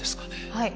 はい。